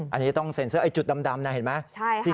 อันนี้ต้องเซ็นเซอร์ไอ้จุดดำนะเห็นไหม